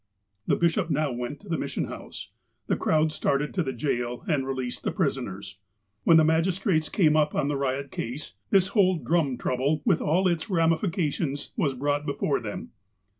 ' The bishop now went to the Mission House. The I crowd started to the jail and released the prisoners. When the magistrates came up on the riot case, this j whole drum trouble, with all its ramifications, was brought before them.